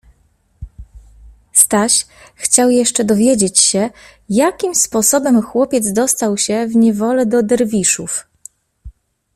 Staś chciał jeszcze dowiedzieć się, jakim sposobem chłopiec dostał się w niewolę do derwiszów.